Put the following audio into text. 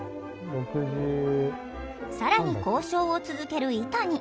更に交渉を続けるイタニ。